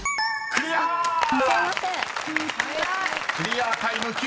［クリアタイム９秒８４］